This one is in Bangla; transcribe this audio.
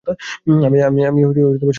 আমি সুখী হওয়ার কথা দিচ্ছি।